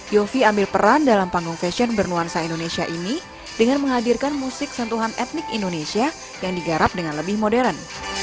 yofi ambil peran dalam panggung fashion bernuansa indonesia ini dengan menghadirkan musik sentuhan etnik indonesia yang digarap dengan lebih modern